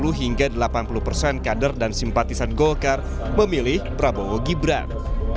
sepuluh hingga delapan puluh persen kader dan simpatisan golkar memilih prabowo gibran